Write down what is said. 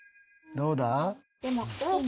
どうだ？